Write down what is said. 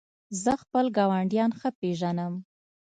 زه خپل ګاونډیان ښه پېژنم.